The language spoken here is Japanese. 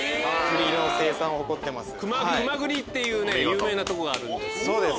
球磨栗っていう有名なとこがあるんです。